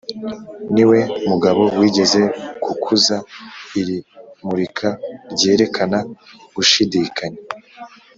niwe mugabo wigeze gukuza iri murika ryerekana gushidikanya.